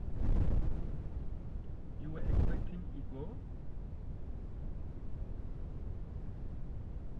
You were expecting Igor?